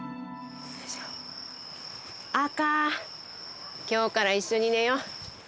赤今日から一緒に寝よう。